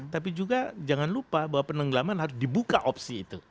tapi juga jangan lupa bahwa penenggelaman harus dibuka opsi itu